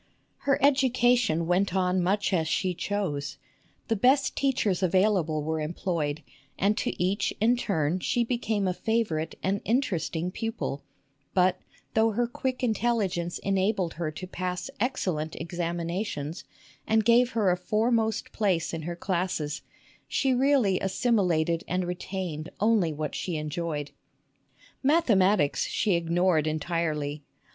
Her education went on much as she chose. The best teachers available were employed, and to each in turn she became a favorite and interesting pupil; but though her quick intelligence enabled her to pass ex cellent examinations and gave her a foremost place in viii SUSAN CO OLID GE her classes, she really assimilated and retained only what she enjoyed. Mathematics she ignored entirely.